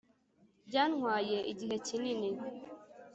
byatwaye igihe kinini